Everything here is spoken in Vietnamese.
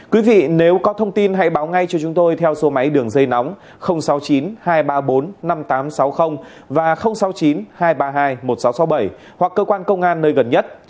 quý vị nếu có thông tin hãy báo ngay cho chúng tôi theo số máy đường dây nóng sáu mươi chín hai trăm ba mươi bốn năm nghìn tám trăm sáu mươi và sáu mươi chín hai trăm ba mươi hai một nghìn sáu trăm sáu mươi bảy hoặc cơ quan công an nơi gần nhất